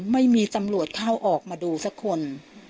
ไม่มีตำรวจเข้าออกมาดูสักคน